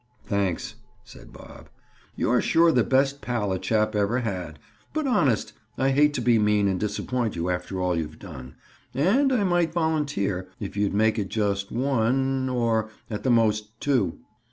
"Thanks," said Bob. "You're sure the best pal a chap ever had. But honest! I hate to be mean and disappoint you after all you've done. And I might volunteer, if you'd make it just one—or, at the most, two."